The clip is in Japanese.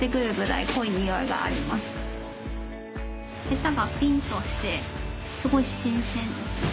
ヘタがピンとしてすごい新鮮ですね。